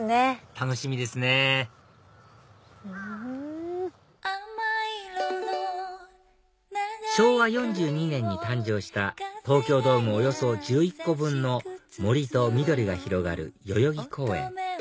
楽しみですね昭和４２年に誕生した東京ドームおよそ１１個分の森と緑が広がる代々木公園